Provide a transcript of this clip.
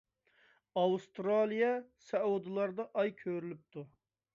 ئاۋسترالىيە، سەئۇدىلاردا ئاي كۆرۈلۈپتۇ.